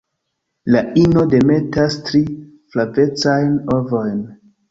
La ino demetas tri flavecajn ovojn.